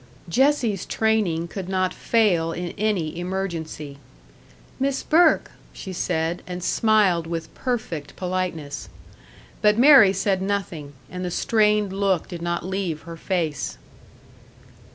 Jessie's training could not fail in any emergency. "Miss Burke," she said, and smiled with perfect politeness. But Mary said nothing, and the strained look did not leave her face.